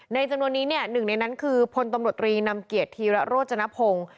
ในจำนวนนี้เนี่ย๑ในนั้นคือพนตำรวจรีดนำเกียรติทีระโรจนะพง